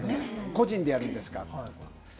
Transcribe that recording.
個人でやるんですか？とか。